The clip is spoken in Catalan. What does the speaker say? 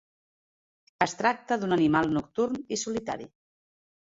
Es tracta d'un animal nocturn i solitari.